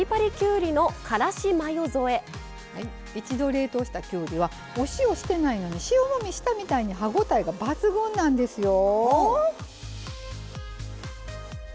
そして一度冷凍したきゅうりはお塩してないのに塩もみしたみたいに歯応えが抜群なんですよ。